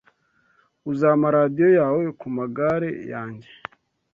Uzampa radio yawe kumagare yanjye?